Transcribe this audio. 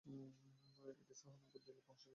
এটি সাহারানপুর-দিল্লি মহাসড়কের পাশে অবস্থিত।